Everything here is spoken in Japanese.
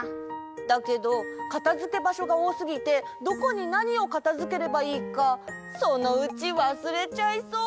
だけどかたづけばしょがおおすぎてどこになにをかたづければいいかそのうちわすれちゃいそう。